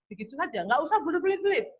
begitu saja nggak usah belit belit